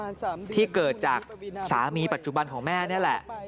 ที่เกิดจากสามีปัจจุบันของแม่นี่แหละ